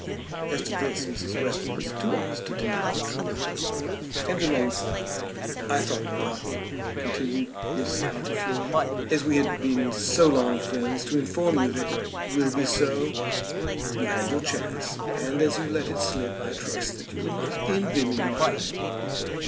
As to this Mrs. Western was too honest to deny the truth, and remained silent. "I thought it proper," continued Miss Altifiorla, "as we had been so long friends, to inform you that it will be so. You had your chance, and as you let it slip I trust that you will not envy me mine."